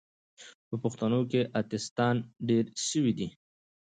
په پښتانو کې اتیستان ډیر سوې دي